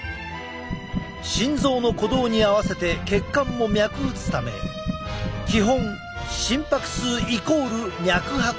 心臓の鼓動に合わせて血管も脈打つため基本心拍数イコール脈拍なのだ。